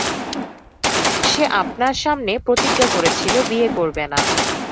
সে আপনার সামনে প্রতিজ্ঞা করেছিল বিয়ে করবে না।